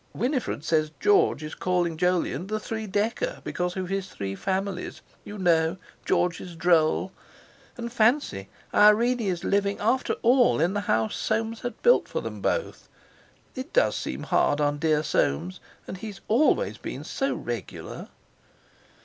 Winifred says George is calling Jolyon 'The Three Decker,' because of his three families, you know! George is droll. And fancy! Irene is living after all in the house Soames had built for them both. It does seem hard on dear Soames; and he's always been so regular."